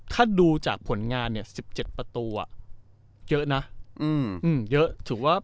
ถ้าดูจากผลงาน๑๗ประตูอะเยอะนะ